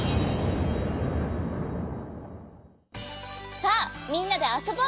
さあみんなであそぼう！